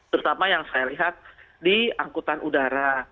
terutama yang saya lihat di angkutan udara